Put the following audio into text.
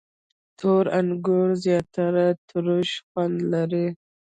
• تور انګور زیاتره تروش خوند لري.